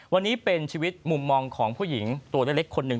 วันนี้เป็นชีวิตมุมมองของผู้หญิงตัวเล็กคนหนึ่ง